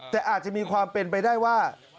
แต่อาจจะมีความเป็นไปได้ว่า